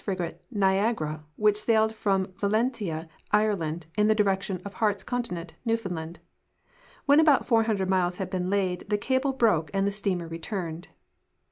frigate Xiagara, which sailed from Valentia, Ireland, in the direction of Heart's Content, Newfoundland. When about 400 miles had been laid, the cable broke and the steamer returned.